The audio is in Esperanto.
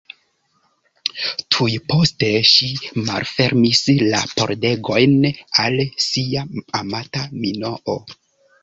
Tuj poste, ŝi malfermis la pordegojn al sia amata Minoo.